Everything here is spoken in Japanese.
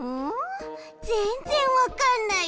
ぜんぜんわかんないち。